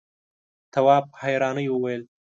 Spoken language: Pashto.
تواب په حيرانی وويل: